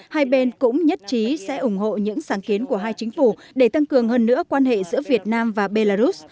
hai bên cũng nhất trí sẽ ủng hộ những sáng kiến của hai chính phủ để tăng cường hơn nữa quan hệ giữa việt nam và belarus